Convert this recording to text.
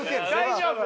大丈夫？